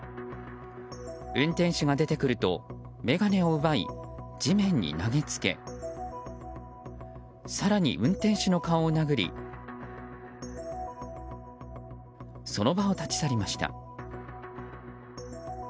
運転手が出てくると眼鏡を奪い、地面に投げつけ更に運転手の顔を殴りその場を立ち去りました。